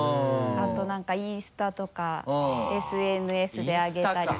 あとなんかインスタとかＳＮＳであげたりとか。